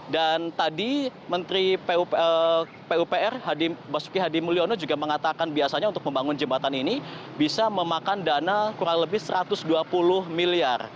dan tadi menteri pupr basuki hadi mulyono juga mengatakan biasanya untuk membangun jembatan ini bisa memakan dana kurang lebih satu ratus dua puluh miliar